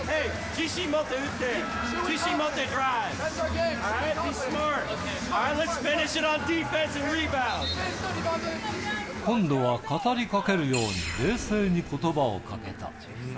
自信持って打って、自信持ってド今度は語りかけるように、冷静にことばをかけた。